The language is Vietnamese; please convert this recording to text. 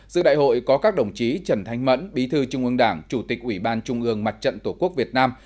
giữa đại hội có các đồng chí trần thanh mẫn bí thư trung ương đảng chủ tịch ủy ban trung ương mặt trận tổ quốc việt nam